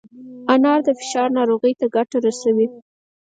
انار د فشار ناروغۍ ته ګټه رسوي.